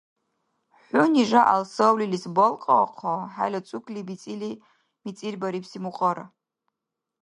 ХӀуни жагӀял савлилис балкьаахъа хӀела цӀукли бицӀили мицӀирбарибси мукьара.